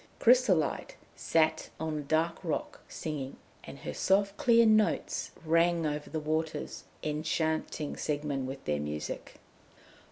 Chrysolite sat on a dark rock, singing, and her soft clear notes rang over the waters, enchanting Siegmund with their music.